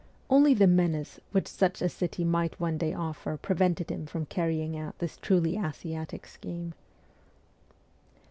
Only the menace which such a city might some day offer prevented him from carrying out this truly Asiatic scheme.